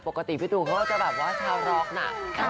ปกติพี่ตูนเขาก็จะแบบว่าชาวร็อกน่ะ